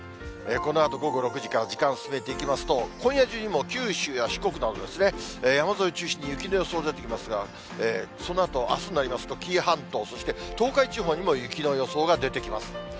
このあと午後６時から時間進めていきますと、今夜中にも九州や四国など、山沿いを中心に雪の予想出てきますが、そのあと、あすになりますと、紀伊半島、そして東海地方にも雪の予想が出てきます。